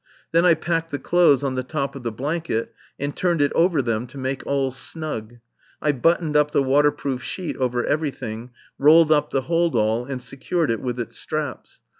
Then I packed the clothes on the top of the blanket and turned it over them to make all snug; I buttoned up the waterproof sheet over everything, rolled up the hold all and secured it with its straps.